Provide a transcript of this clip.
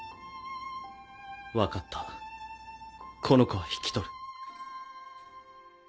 分かったこの子は引き取る。